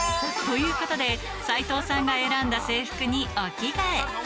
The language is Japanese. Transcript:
ということで齊藤さんが選んだ制服にお着替え